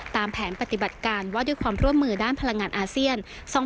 ตามแผนปฏิบัติการว่าด้วยความร่วมมือด้านพลังงานอาเซียน